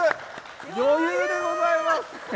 余裕でございます。